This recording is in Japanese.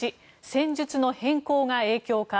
１戦術の変更が影響か。